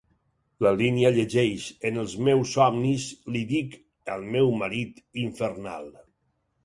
La línia llegeix, En els meus somnis li dic el meu marit infernal.